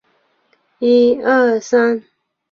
立达公园。